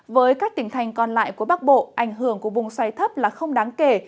với các tỉnh thành còn lại của bắc bộ ảnh hưởng của vùng xoay thấp là không đáng kể